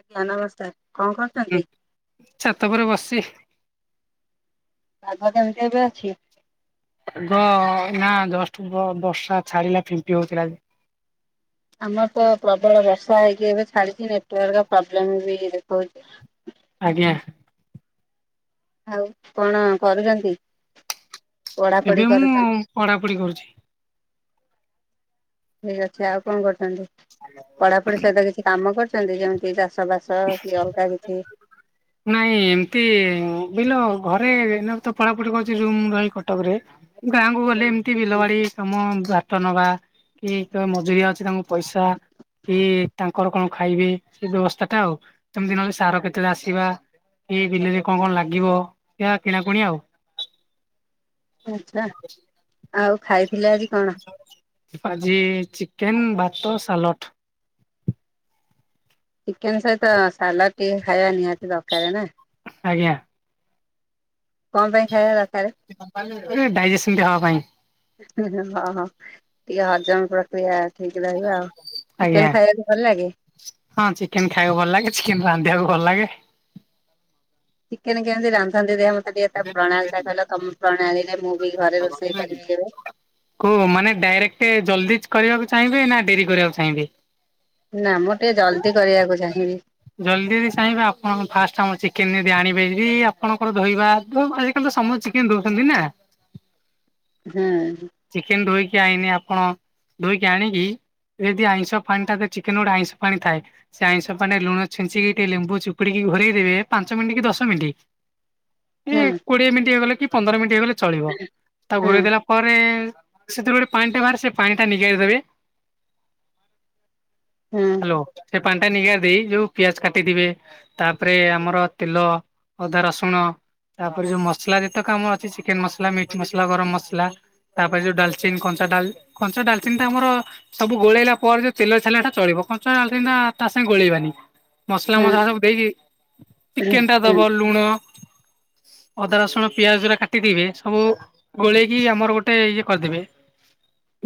ଆଜ୍ଞା ନମସ୍କାର କଣ କରୁଚୁ? ହୁଁ ଛାତ ଉପରେ ବସିଛି। ପାଗ କେମିତି ଏବେ ଅଛି? ହଁ ନା ଜଷ୍ଟ ବର୍ଷା ଛାଡିଲା ଫିମ୍ପି ହଉଥିଲା। ଆମର ତ ପ୍ରବଳ ବର୍ଷା ହେଇକି ଏବେ ଛାଡିଛି ନେଟୱାର୍କ ପ୍ରୋବ୍ଲେମ ବି ଦେଖଉଛି। ଆଜ୍ଞା। ଆଉ କଣ କରୁଛନ୍ତି। ପଢାପଢି ଏବେ ମୁଁ କରୁଛନ୍ତି? ପଢାପଢି କରୁଚି। ଠିକ ଅଛି ଆଉ କଣ କରୁଛନ୍ତି। ହେଲୋ। ପଢ଼ାପଢ଼ି ସହିତ କିଛି କାମ କରୁଛନ୍ତି ଯେମିତି ଚାଷ ବାସ କି ଅଲଗା କିଛି। ନାଇଁ ଏମିତି ବିଲ ଘରେ ନା ମୁଁ ତ ପଢାପଢି କରୁଚି ରୁମ ରହି କଟକରେ। ଗାଁକୁ ଗଲେ ଏମିତି ବିଲ ବାଡି କାମ ଭାତ ନବା କି କ ମଜୁରିଆ ଅଛି ତାଙ୍କୁ ପଇସା କି ତାଙ୍କର କଣ ଖାଇବେ ସେ ବ୍ୟବସ୍ଥା ଟା ଆଉ ତ ମେତି ନହଲେ ସାର କେତେବେଳେ ଆସିବା ଏଇ ବିଲେରେ କଣ କଣ ଲାଗିବ ଏଇ ଆଉ କିଣାକୁଣି ଆଉ। ଆଛା। ଆଉ ଖାଇଥିଲେ ଆଜି ଆଜି ଚିକେନ ଭାତ ସାଲଟ। ଚିକେନ ସହିତ ସାଲାଡ ଟିକେ ଖାଇବା ନିହାତି ଦରକାର ନା। ଆଜ୍ଞା। କଣ ପାଇଁ ଖାଇବା ଦରକାରେ। ଡାଇଜେସନ ଟା ହବା ପାଇଁ। ହଁ ହଁ। ଟିକେ ହଜମ ପ୍ରକ୍ରିୟା ଠିକ ରହିବ ଆଉ ଆଜ୍ଞା ଚିକେନ ଖାଇବାକୁ ଭଲ ଲାଗେ। ହଁ ଚିକେନ ଖାଇବାକୁ ଭଲ ଲାଗେ ଚିକେନ ରାନ୍ଧିବାକୁ ଭଲ ଲାଗେ। ଚିକେନ କେମିତି ରାନ୍ଧନ୍ତି ଦେଖିଆ ମ ତେ ଟିକେ ତା ପ୍ରଣାଳୀ ଟା କହିଲ ତମ ପ୍ରଣାଳୀରେ ମୁଁ ବି ଘରେ ରୋଷେଇ କରିବି କେବେ। କୌ ମାନେ ଡାଇରେକ୍ଟ ଜଲ୍ଦି କରିବାକୁ ଚାହିଁବେ ନା ଡେରି କରିବାକୁ ଚାହିଁବେ। ନା ମୁଁ ଟିକେ ଜଲ୍ଦି କରିବାକୁ ଚାହିଁବି। ଜଲ୍ଦି ବି ଚାହିଁବେ ଆପଣ ଫାଷ୍ଟ ଆମ ଚିକେନ ଯଦି ଆଣିବେ ବି ଆପଣଙ୍କର ଧୋଇବା ବ ଆଜିକାଲି ତ ସମସ୍ ଚିକେନ ଧଉଛନ୍ତି ନା। ହୁଁ। ଚିକେନ ଧୋଇକି ଆଇନି ଆପଣ ଧୋଇକି ଆଣିକି ଯଦି ଆଇଁଷ ପାଣି ଟା ଚିକେନ ଗୋଡା ଆଇଁଷ ପାଣି ଥାଏ। ସେ ଆଇଁଷ ପାଣିରେ ଲୁଣ ଛଞ୍ଚିକି ଟିକେ ଲେମ୍ବୁ ଚୁପଡିକି ଘୋରେଇ ଦେବେ ପାଞ୍ଚ ମିନିଟ କି ଦଶ ମିନିଟ୍ ଏ ହୁଁ କୋଡିଏ ମିନିଟ୍ ହେଇଗଲେ କି ପନ୍ଦର ମିନିଟ୍ ହେଇଗଲେ ଚଳିବ ତାକୁ ହୁଁ ଘୋରେଇ ଦେଲା ପରେ ସେଥିରୁ ଗୋଟେ ପାଣି ଟା ବାହାରେ ସେ ପାଣି ଟା ନିଗାଡ଼ି ଦେବେ। ହଁ। ହେଲୋ ସେ ପାଣି ଟା ନିଗା ଦେଇ ଯୋଉ ପିଆଜ କାଟିଥିବେ ତାପରେ ଆମର ତେଲ ଅଦା ରସୁଣ ତାପରେ ଯୋଉ ମସଲା ଯେତେକ ଆମ ଅଛି ଚିକେନ ମସଲା ମିଟ୍ ମସଲା ଗରମ ମସଲା ତାପରେ ଯୋଉ ଡାଲଚିନ କଞ୍ଚା ଡା କଞ୍ଚା ଡାଲଚିନ ତ ଆମର ସବୁ ଗୋଳେଇଲା ପରେ ଯଉ ତେଲ ଛାଲେ ଏଟା ଚଳିବ କଞ୍ଚା ଦାଲ୍ ଚିନି ଟା ତା ସାଙ୍ଗେ ଗୋଳେଇବାନି। ମସଲା ହୁଁ ମସଲା ସବୁ ଦେଇକି ଚିକେନ ଟା ହୁଁ ଦବ ଲୁଣ ଅଦା ରସୁଣ ପିଆଜ ଗୁରା କାଟିଥିବେ ସବୁ ଗୋଳେଇକି ଆମର ଗୋ ଟେ ଇଏ କରିଦେବେ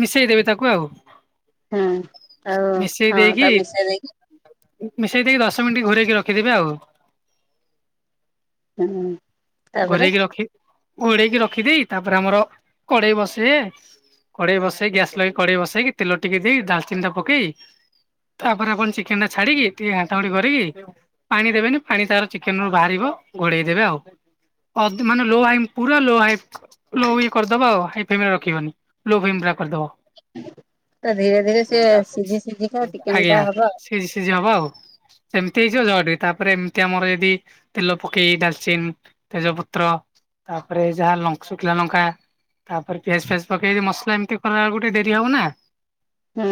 ମିଶେଇଦେବେ ତାକୁ ଆଉ। ହଁ ଆଉ ମିଶେଇ ହଁ ଦେଇକି ତା ମିସା ଯାଇକି ମିଶେଇ ଦେଇକି ଦଶ ମିନିଟ ଘୋରେଇକି ରଖିଦେବେ ଆଉ। ହୁଁ ତାପରେ ଘୋରେଇକି ରଖି ଘୋରେଇକି ରଖିଦେଇ ତାପରେ ଆମର କଡେଇ ବସେବେ କଡେଇ ବସେଇ ଗ୍ୟାସ୍ ଲଗେଇ କଡେଇ ବସେଇକି ତେଲ ଟିକେ ଦେଇ ଡାଲ ଚିନି ଟା ପକେଇ ତାପରେ ଆପଣ ଚିକେନ ଟା ଛାଡିକି ଟିକେ ଘଣ୍ଟା ଘଣ୍ଟି କରିକି ପାଣି ଦେବେନି ପାଣି ତାର ଚିକେନ ରୁ ବାହାରିବ ଘୋଡେଇ ଦେବେ ଆଉ। ପ ଦି ମାନେ ଲୋ ହାଇ ପୁରା ଲୋ ହାଇ ଲୋ ଇଏ କରି ଦବ ଆଉ ହାଇ ଫ୍ଲେମ୍ ରଖିବନି ଲୋ ଫ୍ଲେମ ପୂରା କରିଦବ। ତ ଧୀରେ ଧୀରେ ସିଏ ସିଝି ସିଝି କା ଚିକେନ ଟା ହବ ଆଉ। ସିଜି ସିଜି ହବ ଆଉ। ସେମତି ହେଇଯିବ ଜ ତାପରେ ଏମିତି ଆମର ଯଦି ତେଲ ପକେଇ ଡାଲଚିନ୍ ତେଜପତ୍ର ତାପରେ ଯାହା ନଙ୍କ-ଶୁଖିଲା ଲଙ୍କା ତାପରେ ପିଆଜ ଫିଆଜ ପକେଇଦି ମସଲା ଏମିତି କର ବେ ଗୋଟେ ଡରି ହବ ନା। ହୁଁ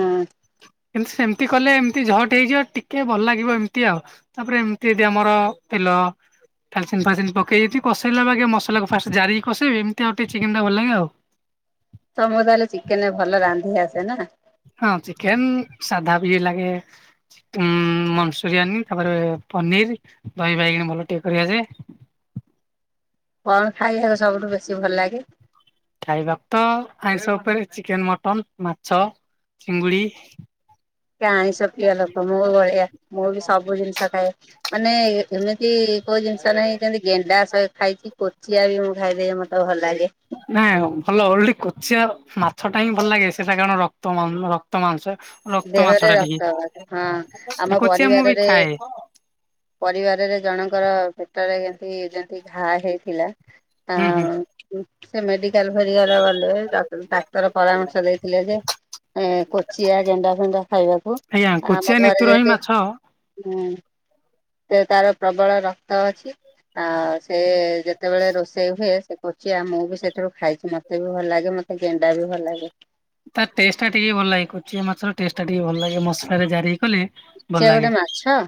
କିନ୍ତୁ ସେମିତି କଲେ ଏମତି ଝଟି ହେଇଯିବ ଟିକେ ଭଲ ଲାଗିବ ଏମିତି ଆଉ। ତାପରେ ଏମିତି ଯଦି ଆମର ପିଲ ଫାଲିଚନ୍ ଫାଲଚିନ ପକେଇ ଦେଇକି କସେଇଲା ବ ଆଗେ ମସଲାକୁ ଫାଷ୍ଟ ଜାରିକି କସେଇ ଏମତିଉ ଟିକେ ଚିକେନ୍ ଟା ଭଲ ଲାଗେ ଆଉ। ସମୁଦହଲେ ଚିକେନ ଭଲ ରାନ୍ଧି ଆସେ ନା? ହଁ ଚିକେନ ସାଧା ବି ଲାଗେ ଉ ମନସୁରିଆନ ତାପରେ ପନିର ଦହି ବାଇ ଗଣ ଭଲ ଟିକେ କରିଆସେ। କଣ ଖାଇବାକୁ ସବୁଠୁ ବେଶୀ ଭଲ ଲାଗେ? ଖାଇବାକୁ ତ ଆଇଁଷ ଉପରେ ଚିକେନ ମଟନ ମାଛ ଚିଙ୍ଗୁଡି କ ଆଇଁଷ ପ୍ରିୟ ଲୋକ ମୁଁ ବି ବଢିଆ ମୁଁ ବି ସବୁ ଜିନିଷ ଖାଏ ମାନେ ଏମିତି କୋଉ ଜିନିଷ ନାହିଁ ଯେମିତି ଗେଣ୍ଡା ସ ଖାଇଛି କୋଚିଆ ବି ମୁଁ ଖାଇଦିଏ ମତେ ଭଲ ଲାଗେ। ନାଇଁ ଭଲ ଓଲ କୋଚିଆ ମାଛ ଟା ହିଁ ଭଲ ଲାଗେ ସେଟା କାରଣ ରକ୍ତ ରକ୍ତ ମାଂସ। ରକ୍ତ ମାଛ ଦେହରେ ଟା ରକ୍ତ ଟିକେ ହଁ ଆମ କୋଚିଆ ମୁଁ ବି ପରିବାରରେ ଖାଏ ପରିବାରରେ ଜଣଙ୍କର ପେଟରେ କେମତି ଯେମତି ଘା ହେଇଥିଲା ହୁଁ ହୁଁ ଆଉ ସେ ମେଡିକାଲ ଫେରିଗଲା ଗଲେ ଡାକ୍ତର ପରାମର୍ଶ ଦେଇଥିଲେ ଯେ ଏ କୋଚିଆ ଗେଣ୍ଡା ଫେଣ୍ଡା ଖାଇବାକୁ ଆଜ୍ଞା କୋଚିଆ ଆମ ଘରେ ନେତୁର ହିଁ ଯଦି ମାଛ ହଁ ତ ତାର ପ୍ରବଳ ରକ୍ତ ଅଛି। ଆଉ ସେ ଯେତେବେଳେ ରୋଷେଇ ହୁଏ ସେ କହୁଛି ଆ ମୁଁ ବି ସେଥିରୁ ଖାଇଛି ମତେ ମତେ ବି ଭଲ ଲାଗେ ମତେ ଗେଣ୍ଡା ବି ଭଲ ଲାଗେ। ତାର ଟେଷ୍ଟ ଟା ଟିକେ ଭଲ ଲାଗେ କୁଚିଆ ମାଛର ଟେଷ୍ଟ ଟା ଟିକେ ଭଲ ଲାଗେ ମସଲା ରେ ଜାରି ହେଇ କଲେ ଭଲ ସେ ଲାଗେ ଗୋଟେ ମାଛ?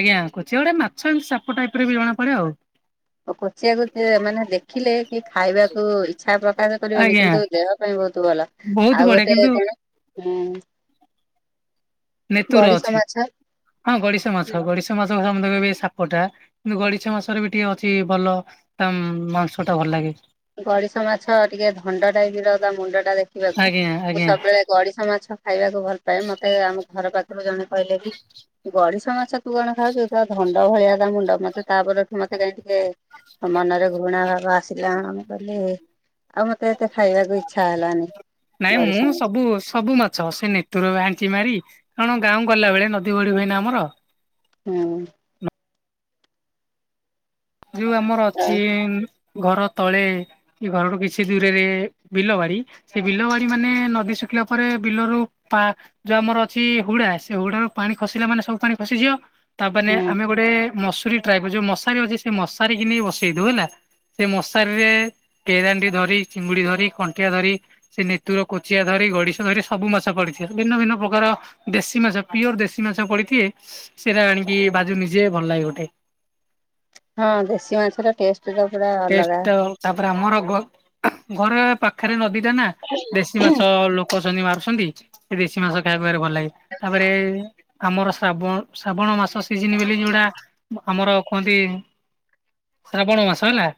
ଆଜ୍ଞା କୁଛି ଗୋଟେ ମାଛ ଏମତି ଚାପ ଟାଇପରେ ବି ଜଣା ପଡେ ଆଉ। କୋଚିଆ କୁଚି ମାନେ ଦେଖିଲେ କି ଖାଇବାକୁ ଇଚ୍ଛା ପ୍ରକାଶ କରିବେନି ଆଜ୍ଞା କିନ୍ତୁ ଦେହ ପାଇଁ ବୋହୁତ ଭଲ ବହୁତ ଆଉ ବଢିଆ ଗୋଟେ କିନ୍ତୁ କଣ ଉଁ ନେତୁର ଅଛି ହଁ ଗଡିଶ ମାଛ ଗଡିଶ ମାଛ କହିବ ଏ ସାପଟା। କିନ୍ତ ଗଡିଶ ମାସରେ ବି ଟିକେ ଅଛି ଭଲ ତା ମାଂସ ଟା ଭଲ ଲାଗେ। ଗଦିଶ ମାଛ ଟିକେ ଧଣ୍ଡ ଟାଇପ ର ତା ମୁଣ୍ଡ ଟା ଦେଖିବାକୁ ଆଜ୍ଞା ମୁଁ ଆଜ୍ଞା ସବୁବେଳେ ଗଡିଶା ମାଛ ଖାଇବାକୁ ଭଲ ପାଏ ମତେ ଆମ ଘର ପାଖରୁ ଜଣେ କହିଲେ କି ଗଡିଶ ମାଛ ତୁ କଣ ଖାଉଛୁ ଧଣ୍ଡ ଭଳିଆ ତା ମୁଣ୍ଡ ମତେ ତାରେ ଏଠୁ ମତେ କାହିଁ ଟିକେ ମନରେ ଘୃଣା ଭାବ ଆସିଲା। ହୁଁ ଆଉ ମତେ ଏତେ ଖାଇବାକୁ ଇଚ୍ଛା ହେଲାନି ନାଇଁ ଗର ମୁଁ ସମ ସବୁ ସବୁ ମାଛ ସେ ନେତୁର ଭାଞ୍ଚି ମାରି କଣ ଗାଁ ଗଲା ବେଳେ ନଦୀ ବଢ ହଏନା ଆମର? ହୁଁ। ଯୋଉ ଆମର ଅଛି ଘର ତଳେ ଏ ଘରଠୁ କିଛି ଦୂରରେ ବିଲ ବାରି ସେ ବିଲ ବାଡି ମାନେ ନଦୀ ଶୁଖିଲା ପରେ ବିଲରୁ ପା ଯୋଉ ଆମର ଅଛି ହୁଡା ସେ ହୁଡା ର ପାଣି ଖସିଲା ମାନେ ସବୁ ପାଣି ଖସିଯିବ ତା ମାନେ ହୁଁ ଆମେ ଗୋଟେ ମସୁରୀ ଟ୍ରାଇ ଯୋଉ ମଶାରୀ ଅଛି ସେ ମଶାରୀ କି ନେଇ ବସେଇ ଦଉ ହେଲା। ସେ ମଶାରୀରେ କେରାଣ୍ଡି ଧରି ଚିଙ୍ଗୁଡି ଧରି କଣ୍ଟିଆ ଧରି ସେ ନେତୁର କୋଚିଆ ଧରି ଗଡିଶ ଧରି ସବୁ ମାଛ ପଡିିବ ଭିନ୍ନ ଭିନ୍ନ ପ୍ରକାର ଦେଶୀ ମାଛ ପିଓର ଦେଶୀ ମାଛ ପଳିଥେ ସେଇଟା ଆଣିକି ବାଜୁ ନିଜେ ଭଲ ଲାଗେ ଗୋଟେ। ହଁ ଦେଶୀ ମାଛର ଟେଷ୍ଟ [unintelligible] ପୁରା ଅଲଗା। ଟେଷ୍ଟ ତାପରେ ଆମର ଘ-ଘର ପାଖରେ ନଦୀ ଟା ନା। [inaudible] ଦେଶୀ ମାଛ ଲୋକ ଅଛନ୍ତି ମାରୁଛନ୍ତି ସେ ଦେଶୀ ମାଛ ଖାଇବାକୁ ଭାରି ଭଲ ଲାଗେ ତାପରେ ଆମର ଶ୍ରାବଣ ଶ୍ରାବଣ ମାସ ସିଜିନ ବୋଲି ଯୋଉଟା ଆମର କୁହନ୍ତି ଶ୍ରାବଣ ମାସ ହେଲା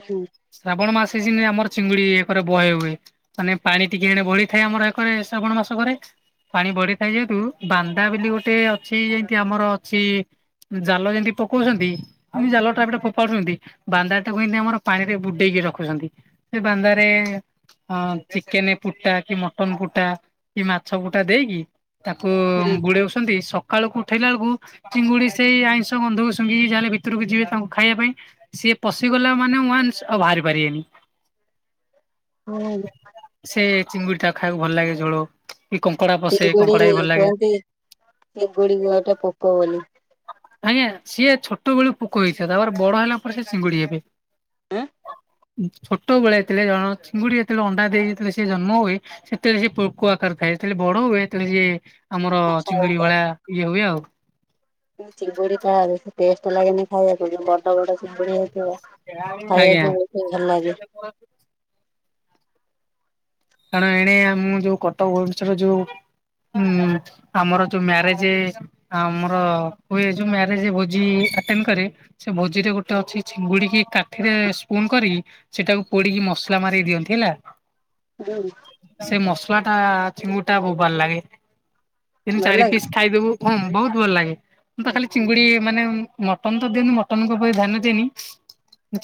ଉ ଶୁ ଶ୍ରାବଣ ମାସ ଜେମିଇ ଆମର ଚିଙ୍ଗୁଡି ରେ ବହେ ହୁଏ ମାନେ ପାଣି ଟିକେ ଏଣେବଳିଥାଏ ଆମରରେ ଶ୍ରାବଣ ମାସ କରେ ପାଣି ବଢିଥାଏ ଯେହେତୁ ବାନ୍ଦା ବୋଲି ଗୋଟେ ଅଛି ଯେମତି ଆମର ଅଛି ଜାଲ ଯେମିତି ପକଉଛନ୍ତି ଏମିତି ଜାଲ ଟପ ଟା ଫୋପାଡୁଛନ୍ତି ବାନ୍ଦା ଟାକୁ ଏମତି ଆମର ପାଣିରେ ବୁଡେଇକି ରଖୁଛନ୍ତି ସେ ବାନ୍ଦାରେ ହଁ ଚିକେନ ପୁଟା କି ମଟନ ପୁଟା କି ମାଛ ପୁଟା ଦେଇକି ତାକୁ ହୁଁ ଉଡଉଛନ୍ତି ସକାଳୁକୁ ଉଠେଇଲା ବେଳକୁ ଚିଙ୍ଗୁଡି ସେଇ ଆଇଁଷ ଗନ୍ଧକୁ ଶୁଙ୍ଘିକି ଯାହାଲେ ଭିତରକୁ ଯିବେ ତାଙ୍କୁ ଖାଇବା ପାଇଁ ସିଏ ପଶିଗଲା ମାନେ ୱାନ୍ସ ଆଉ ବାହାରି ପାରିବେନି ଅ ନ୍ଦ ସେ ଚିଙ୍ଗୁଡି ଟା ଖାଇବାକୁ ଭଲ ଲାଗେ ଝୋଳ କି କଙ୍କଡା ପସେ କଙ୍କଡା ବି ଭଲ ଲାଗେ ସେଭୁଳି ଗୁଆଟା ପୋକ ବୋଲି ଆଜ୍ଞା ସିଏ ଛୋଟ ବେଳୁ ପୋକ ହେଇଥିଲା ତାପରେ ବଡ ହେଲା ପରେ ସେ ଚିଙ୍ଗୁଡି ହେବେ ହଁ ଛୋଟବେଳେ ହେଇଥିଲେ ଜଣ ଚିଙ୍ଗୁଡି ଯେତେବେଳ ଅଣ୍ଡା ଦେଇଥିଲେ ସେ ଜନ୍ମ ହୁଏ ସେତେବେଳେ ସେ ପୋକ ଆକାର ଥାଏ ସେତେବେଳେ ବଡ ହୁଏ ତାହେଲେ ସିଏ ଆମର ମାଛ ଚିଙ୍ଗୁଡି ହେଇଥାଏ। ଭଳିଆ ଇଏ ହୁଏ ଆଉ ଚିଙ୍ଗୁଡି ପା ବହୁତ୍ ଟେଷ୍ଟ ଲାଗେନି ଖାଇବାକୁ ଯ ବଡ ବଡ ଚିଙ୍ଗୁଡି ଅ [unintelligible] ଖାଇବାକୁ ବହୁତ୍ ଭଲ ଲାଗେ ହ [unintelligible] କାରଣ ଏଣେ ଆମ ଯୋଉ କଟକ ଭୁବନେଶ୍ୱର ଯୋଉ ହୁଁ ଆମର ଯୋଉ ମ୍ୟାରେଜ ଆ ଆମର ହୁଏ ଯୋଉ ମାରେଜ ଭୋଜି ଅଟେନ୍ କରେ ସେ ଭୋଜିରେ ଗୋଟେ ଅଛି ଚିଙ୍ଗୁଡିକି କାଠିରେ ସ୍ପୁନ କରିକି ସେଟାକୁ ପୋଡିକି ମସଲା ମାରୀକି ଦିଅନ୍ତି ହେଲା ହୁଁ ସେ ମସଲା ଟା ଚିଙ୍ଗୁଡି ଟା ବହୁତ ଭଲ ଲାଗେ ତିନି ଭଲ ଚାରି ଲାଗେ ପିସ୍ ଖାଇଦବୁ ହଁମ ବହୁତ ଭଲ ଲାଗେ ମୁଁ ତ ଖାଲି ଚିଙ୍ଗୁଡି ମାନେ ମଟନ ତ ଦିଅନ୍ତୁ ମଟନଙ୍କ ପ ଧ୍ୟାନ ଦିଏନି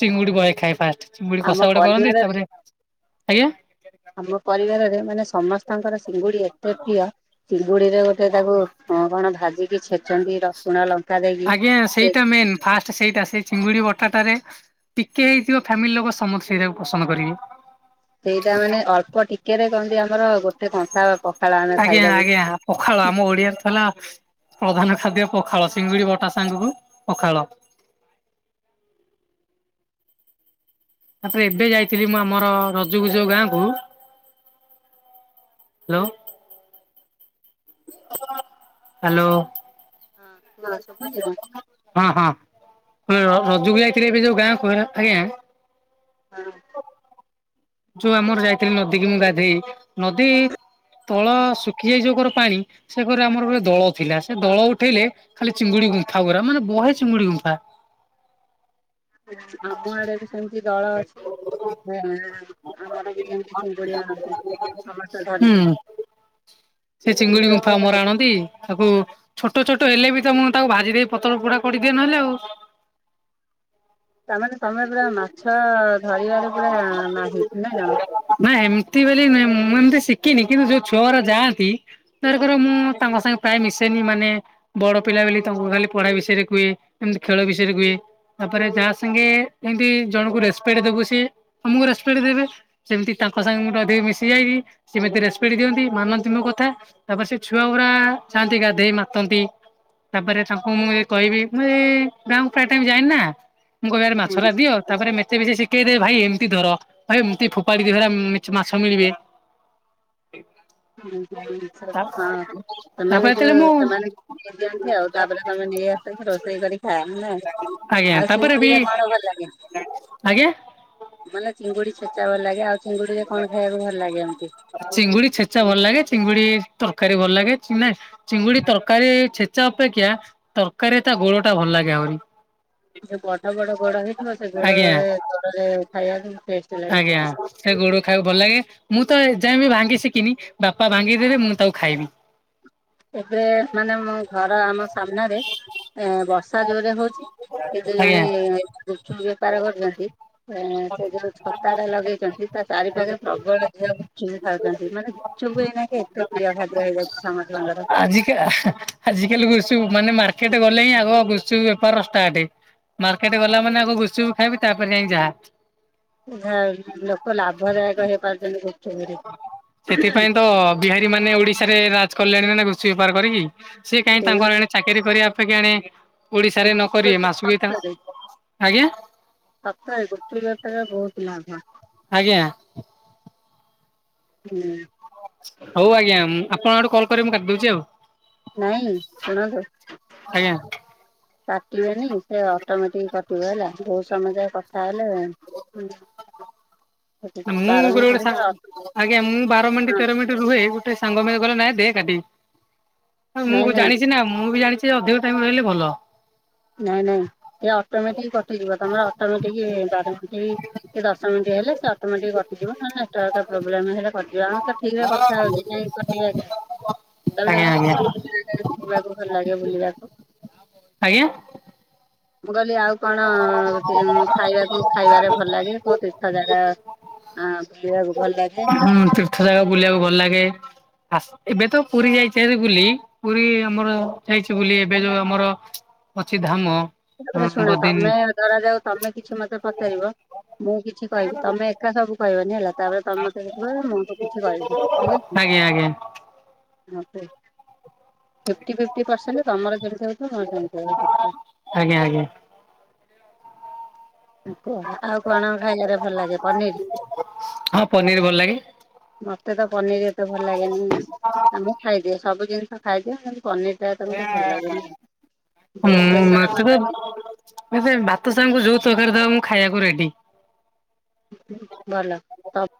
ଚିଙ୍ଗୁଡି ବହେ ଖାଏ ଫାଷ୍ଟ ଚିଙ୍ଗୁଡି ଆମ କଷା ଗୋଟେ କରନ୍ତି ପରିବାର ତାପରେ ଆଜ୍ଞା ଆମ ପରିବାରରେ ମାନେ ସମସ୍ତଙ୍କର ସିଙ୍ଗୁଡି ଏତେ ପ୍ରିୟ ଚିଙ୍ଗୁଡି ରେ ଗୋଟେ ତାକୁ କ କଣ ଭାଜିକି ଛେ ଆଜ୍ଞା ସେଇଟା ମେନ ଫାଷ୍ଟ ସେଇଟା ସେ ଚିଙ୍ଗୁଡି ବଟା ଟାରେ ଟିକେ ହେଇଥିବ ଫ୍ୟାମିଲି ଲୋକ ସମସ୍ତେ ସେଇଟାକୁ ପସନ୍ଦ କରିବେ ସେଇଟା ମାନେ ଅଳ୍ପ ଟିକେ ରେ କହନ୍ତି ଆମର ଗୋଟେ କଂସା ପ ଆଜ୍ଞା ଆଜ୍ଞା ହ ପଖାଳ ଆମ ଓଡିଆରେ ତ ହେଲା ପ୍ରଧାନ ଖାଦ୍ୟ ପଖାଳ ସିଙ୍ଗୁଡି ବଟା ସାଙ୍ଗୁକୁ ପଖାଳ ତାପରେ ଏବେ ଯାଇଥିଲି ମୁଁ ଆମର ରଜ ଗୁ ଯୋଉ ଗାଁ କୁ ହାଲୋ ହାଲୋ ହଁ ଶୁଭୁଛି ନା ହଁ ହଁଅ ରଜକୁ ଯାଉଥିଲି ଏବେ ଯୋଉ ଗାଁ କୁ ହ ଆଜ୍ଞା ହଁ ଯୋଉ ଆମର ଯାଇଥିଲି ନଦୀ କି ମୁ ଗାଧେଇ ନଦୀ ତଳ ଶୁଖି ଯାଇ ଯୋଉ କର ପାଣି ସେ ଘର ଆମର ଗୋଟେ ଦଳ ଥିଲା ସେ ଦଳ ଉଠେଇଲେ ଖାଲି ଚିଙ୍ଗୁଡି ଗୁମ୍ଫା ଗୁରା ମାନେ ବହେ ଚିଙ୍ଗୁଡି ଗୁମ୍ଫା ଆମ ଆଡେ ବି ସେମତି ଦଳ ଅଛି। ହଁ ଆମର ବି ସେମିତି ଚିଙ୍ଗୁଡ଼ି ଆଣନ୍ତି ସମସ୍ତେ ଧରିକି ହୁଁ ସେ କିନ୍ତୁ ଚିଙ୍ଗୁଡି ଗୁମ୍ଫା ଏବେ ଆମର ଆଣନ୍ତି। ତାକୁ ଛୋଟ ଛୋଟ ହେଲେ ବି ତ ମୁଁ ତାକୁ ଭାଜି ଦେଇ ପତର ପୋଡା କରିଦିଏ ନହେଲେ ଆଉ। ତାମାନେ ତମେ ପୁରା ମାଛ ଧରିବାରେ ପୁରା ମାହିର୍ ନାଁ କଣ। ନା ଏମି ତି ବୋଲି ନୁହେଁ ମୁଁ ଏମତି ଶଖିନି କିନ୍ତୁ ଯୋଉ ଛୁଆଉରା ଯାଆନ୍ତି ଧରକର ମୁଁ ତାଙ୍କ ସାଙ୍ଗେ ପ୍ରାୟେ ମିଶେନି ମାନେ ବଡ ପିଲା ବୋଲି ତାଙ୍କୁ ଖାଲି ପଢା ବିଷୟରେ କୁହେ ଏମତି ଖେଳ ବିଷୟରେ କୁହେ। ତାପରେ ଯାହା ସାଙ୍ଗେ ଏମତି ଜଣଙ୍କୁ ରେସ୍ପେଟ୍ ଦୋବୁ ସିଏ ତମକୁ ରେସ୍ପେକ୍ଟ ଦେବେ। ସେମତି ତାଙ୍କ ସାଙ୍ଗେ ମୁଁ ଟିକେ ଅଧିକ ମିଶି ଯାଇକି ସେମିତି ରେସ୍ପେକ୍ଟ ଦିଅନ୍ତି ମାନନ୍ତି ମୋ କଥା। ତାପରେ ସେ ଛୁଆଗୁରା ଯାଆନ୍ତି ଗାଧେଇ ମାତନ୍ତି। ତାପରେ ତାଙ୍କୁ ମୁଁ ଏ କହିବି ମୁଁ ଏଇ ଗାଁକୁ ପ୍ରାୟ ଟାଇମ୍ ଯାଇନି ନା। ମୁ କହିବି ଆରେ ମାଛରା ଦିଅ ତାପରେ ମେ ତେ ବି ସିଏ ଶିକେଇଦେ ଭାଇ ଏମତି ଧର ଭାଇ ଏମତି ଫୋପାଡିିକି ଧର ଉମ୍ ମାଛ ମିଳିବେ। [inaudible] [inaudible] ତା ହଁ ତାପରେ ସେମାନଙ୍କୁ ଯେତେବେଳେ ମୁଁ [unintelligible] ଯାଆନ୍ତି ତାପରେ ତମେ ନେଇ ଆ ସ ରୋଷେଇ କରି ଖାଅ ନା ଆଜ୍ଞା ଆଉ ତାପରେ ବି ଚିଙ୍ଗୁଡିରେ କଣ ଭଲ ଲାଗେ? ଆଜ୍ଞା? ମାନେ ଚିଙ୍ଗୁଡି ଛେଚା ଭଲ ଲାଗେ ଆଉ ଚିଙ୍ଗୁଡିରେ କଣ ଖାଇବାକୁ ଭଲ ଲାଗେ ଏମତି? ଚିଙ୍ଗୁଡି ଛେଚା ଭଲ ଲାଗେ ଚିଙ୍ଗୁଡି ତରକାରୀ ଭଲ ଲାଗେ ଚି ନାଇଁ ଚିଙ୍ଗୁଡି ତରକାରୀ ଛେଚା ଅପେକ୍ଷା ତରକାରୀ ତା ଗୋଳଟା ଭଲ ଲାଗେ ଆହୁରି। ଯୋଉ ବଡ ବଡ ଗୋଡ ହେଇଥିବ ସେ ଆଜ୍ଞା ଗୋଡରେ ଗୋଡରେ ଖାଇବାକୁ ଟେଷ୍ଟ୍ ଆଜ୍ଞା। ସେ ଗୋଡ ଖାଇବାକୁ ଭଲ ଲାଗେ ମୁଁ ତ ଏ ଯାଏଁ ବିି ଭାଙ୍ଗି ଶିଖିନି ବାପା ଭାଙ୍ଗିଦେବେ ମୁଁ ତାକୁ ଖାଇବି। ଏବେ ମାନେ ମୋ ଘର ଆମ ସାମ୍ନାରେ ଏଁ ବସ ର୍ଷା ଜୋରେ ହୋଉଚି ଏଇଠି ଜଣେ ଆଜ୍ଞା। ଗୁପଚୁପ୍ ବେପାର କରୁଚନ୍ତି ଏ ସେ ଯୋଉ ଛତାଟା ଲଗେଇଚନ୍ତି ତା ଚାରିପାଖେ ପ୍ରବଳ ଝିଅ ଗୁପଚୁପ୍ ଖାଉଚନ୍ତି ମାନେ ଗୁ ପଚୁପ ଏଇନାକେ ଏତେ ପ୍ରିୟ ଖାଦ୍ୟ ହେଇଯାଉଚି ସମସ୍ତଙ୍କର। ଆଜିକା ଆଜିକାଲି ଗୁପଚୁପ ମାନେ ମାର୍କେଟ ଗଲେ ହିଁ ଆଗ ଗୁପଚୁପ ବେପାର ଷ୍ଟାର୍ଟେ। ମାର୍କେଟ ଗଲା ମାନେ ଆଗ ଗୁପଚୁପ ଖାଇବି ତାପରେ ଯାଇଁ ଯାହା। ଯାହାହୋଉ ଲୋକ ଲାଭଦାୟକ ହେଇପାରୁଚନ୍ତି ଗୁପଚୁପରେ। ବିହାରୀମାନେ ଓଡିଶାରେ ରାଜ କଲେଣି ନା ନାଇଁ ଗୁପଚୁପ ବେପାର କରିକି ସିଏ କାଇଁ ତାଙ୍କର ସେଇଭଳି ଏଣେ ଚାକିରି କରିବା କିଆଣି ଓଡିଶାରେ ନ ଗୁପଚୁପ କରିବେ ବେପାର ମାସୁକୁ ବି ତାଙ୍କ ସତରେ ଆଜ୍ଞା? ସତରେ ଗୁପଚୁପ ବେପାରେ ବୋହୁତ ଲାଭ। ଆଜ୍ଞା। ହୁଁ‌। ହୋଉ ଆଜ୍ଞା ମୁଁ ଆପଣଙ୍କ ଆଡୁ କଲ୍ କରିବେ ମୁଁ କାଟିିଦୋଉଚି ଆଉ। ନାଇଁ ଶୁଣନ୍ତୁ ଆଜ୍ଞା କାଟିବେନି ସେ ଅଟୋମେଟିକ କଟିବ ହେଲା ବୋହୁତ ସମୟ ଯାଏ କଥା ହେଲେ ହୁଁ ହାଲୋ। ନା ମୁଁ କୁଆଡେ ଗୋଟେ ଅଟୋ ସାଙ୍ଗ ଆଜ୍ଞା ମୁଁ ବାର ମିନଟି, ତେର ମିନଟି ରୁହେ ଗୋଟେ ସାଙ୍ଗ ମୋର କହିଲା ନାଇଁ ଦେ କାଟିି। ଆଉ ମୁଁ ନାଇଁ କ ନାଇଁ ଜାଣିଚି ନା ମୁଁ ବି ଜାଣିଚି ଯେ ଅଧିକ ଟାଇମ ରହିଲି ଭଲ। ନାଇଁ ନାଇଁ ସେ ଅଟୋମେଟିକ କଟିଯିବ ତମର ଅଟୋମେଟିକ ବାର ମିନଟି କି ଦଶ ମିନଟି ହେଲେ ସେ ଅଟୋମେଟିକ କ ଟିଯିବ ନହେଲେ ନେଟୱାର୍କ ପ୍ରୋବ୍ଲେମ ହେଲେ କଟିବ ଆମେ ତ ଠିକରେ କଥା ହୋଉଚେ କାଇଁ କଟିବ କାଇଁ ତାପରେ ଆଜ୍ଞା ଆଉ ଆଜ୍ଞା କୋଉ [inaudible] ଭଲ ଲାଗେ ବୁଲିବାକୁ? ଆଜ୍ଞା‌? ମୁଁ କହିଲି ଆଉ କଣ ଗୋଟେ ମୁଁ ଖାଇବାକୁ ଖାଇବାରେ ଭଲ ଲାଗେ, ସବୁ ତୀର୍ଥ ଜାଗା ଅ ବୁଲିବାକୁ ଭଲ ଲାଗେ? ହୁଁ ତୀର୍ଥ ଯାଗା ବୁଲିବାକୁ ଭଲ ଲାଗେ ଆସ୍ ଏବେ ତ ପୁରୀ ଯାଇଚେ ହାରି ବୁଲି ପୁରୀ ଆମର ହେଇଛି ବୁଲି ଏବେ ଯୋଉ ଆମର ଅଛି ଧାମ। ହଁ ରେ ଶୁଣ ବଦିନ ତମେ ଧରା ଯାଉ ତମେ କିଛି ମତେ ପଚାରିବ ମୁଁ କିଛି କହିବି। ତମେ ଏକା ସବୁ କହିବନି ହେଲା ତାପରେ ତମେ ମତେ [unintelligible] ମୁଁ ତ କିଛି କହିବି ଠିକ୍ ଅଛି। ଆଜ୍ଞା ଆଜ୍ଞା ମତେ ଫିଫ୍ଟି ଫିଫ୍ଟି ପରସେଣ୍ଟ ତମର ଯେମତି ହଉଥିବ ମୋର ସେମିତି ହଉଥିବ। ଆଜ୍ଞା, ଆଜ୍ଞା। କୁହ ଆଉ କଣ ଖାଇବାରେ ଭଲ ଲାଗେ ପନିର? ହଁ ପନିର ଭଲ ଲାଗେ। ମତେ ତ ପନିର ଏତେ ଭଲ ଲାଗେନି। ମୁଁ ଖାଇଦିଏ ସବୁ ଜିନିଷ ଖାଇଦିଏ କିନ୍ତୁ ପନିର ଟା ଏତେ ମୋତେ ଭଲ ଲାଗେନି। ବେସର ଟା ଭଲ ଲାଗେ। ମୋତେ ଭାତ ସାଙ୍ଗଙ୍କୁ ଯୋଉ ତରକାରୀ ଦବ ମୁଁ ଖାଇବାକୁ ରେଡି। ଭଲ ତ